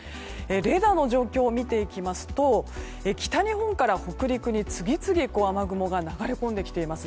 レーダーの状況を見ていきますと北日本から北陸に次々雨雲が流れ込んできています。